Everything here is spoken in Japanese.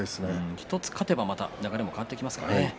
１つ勝てばまた流れが変わってきますからね。